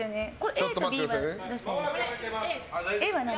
ＡとＢはどうしたら。